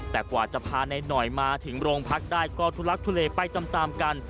แต่กว่าจะพานายหน่อยมาถึงโรงพักได้ก็ทุลักทุเลไปตามกัน